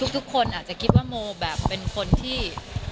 ทุกคนอาจจะคิดว่าโมแบบเป็นคนที่